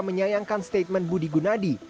menyayangkan statement budi gunadi